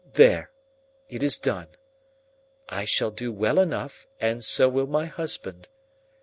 There! It is done. I shall do well enough, and so will my husband.